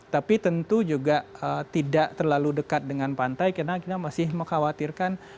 tapi tentu juga tidak terlalu dekat dengan pantai karena kita masih mengkhawatirkan